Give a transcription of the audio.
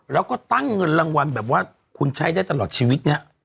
แล้วก็ตั้งเงินรางวัลแบบว่าคุณใช้ได้ตลอดชีวิตเนี่ย